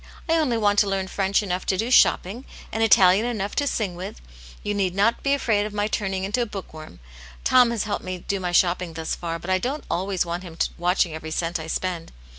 I only want to learn French enough to do shopping, and Italian enough to sing with ; you need not be afraid of my turning into a book worm. Tom has helped me do my shopping thus far, but I don't always want him watching every cent I spend.